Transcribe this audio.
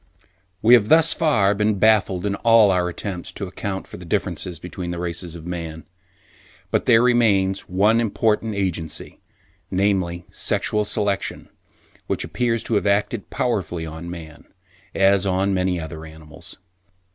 We have thus far been baffled in all our attempts to account for the differences between the races of man; but there remains one important agency, namely Sexual Selection, which appears to have acted powerfully on man, as on many other animals.